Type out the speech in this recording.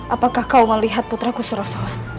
apakah kau melihat putraku surasa